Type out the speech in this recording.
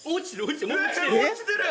落ちてる！